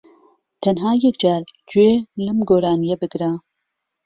تەنھا یەکجار گوێ لەم گۆرانیە بگرە